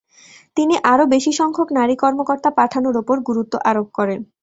তিনি আরও বেশি সংখ্যক নারী কর্মকর্তা পাঠানোর ওপর গুরুত্ব আরোপ করেন।